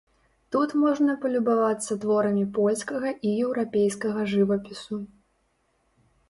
Тут можна палюбавацца творамі польскага і еўрапейскага жывапісу.